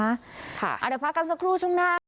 อาจจะพักกันสักครู่ช่วงหน้า